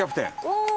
おお！